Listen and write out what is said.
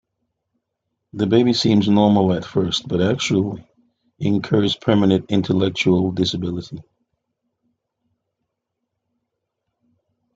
The baby seems normal at first but actually incurs permanent intellectual disability.